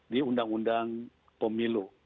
di undang undang pemilu